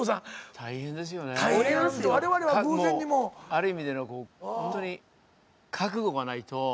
ある意味での本当にこう覚悟がないと。